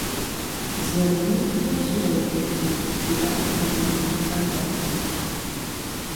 Зірну ў слоўнікі, як яму адказаць.